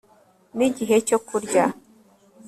nigihe cyo kurya